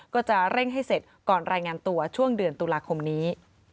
ก็จะเร่งให้เสร็จก่อนรายงานตัวช่วงเดือนตุลาคมนี้